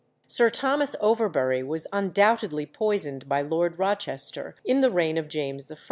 Sir Thomas Overbury was undoubtedly poisoned by Lord Rochester in the reign of James I.